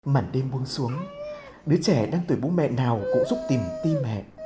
mảnh đêm buông xuống đứa trẻ đang tuổi bú mẹ nào cũng giúp tìm tim mẹ